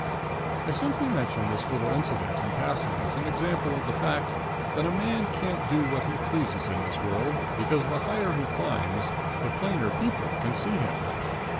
I simply mention this little incident in passing as an example of the fact that a man can't do what he pleases in this world, because the higher he climbs the plainer people can see him.